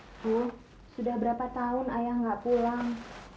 ibu sudah berapa tahun ayah gak pulang